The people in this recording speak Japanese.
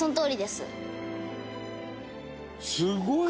「すごい！」